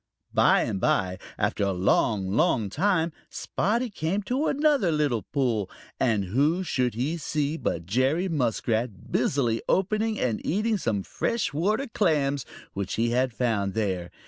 By and by, after a long, long time Spotty came to another little pool, and who should he see but Jerry Muskrat busily opening and eating some freshwater clams which he had found there.